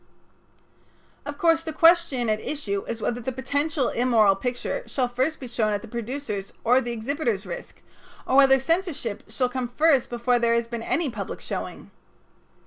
Of course the question at issue is whether the potential immoral picture shall first be shown at the producer's or the exhibitor's risk, or whether censorship shall come first before there has been any public showing.